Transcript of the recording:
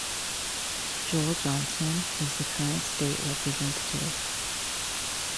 Joel Johnson is the current State Representative.